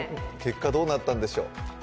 結果どうなったんでしょう。